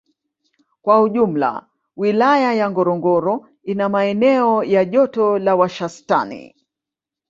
Kwa ujumla Wilaya ya Ngorongoro ina maeneo ya joto la washastani